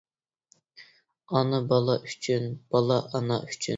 ئانا بالا ئۈچۈن، بالا ئانا ئۈچۈن.